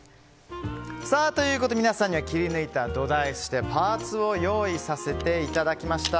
皆さんには切り抜いた土台そしてパーツを用意させていただきました。